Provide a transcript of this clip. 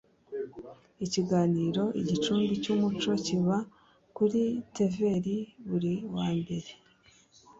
ikiganiro igicumbi cy'umuco kiba kuri tvr buri wa mbere h